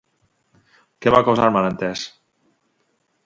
Què va causar el malentès?